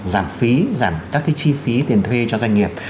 giảm phí giảm các chi phí tiền thuê cho doanh nghiệp